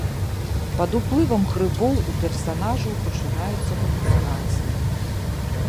Пад уплывам грыбоў у персанажаў пачынаюцца галюцынацыі.